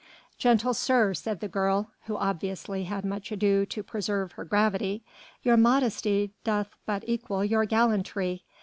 "Gentle sir," said the girl, who obviously had much ado to preserve her gravity, "your modesty doth but equal your gallantry.